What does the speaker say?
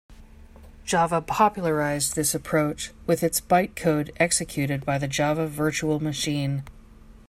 Java popularized this approach with its bytecode executed by the Java virtual machine.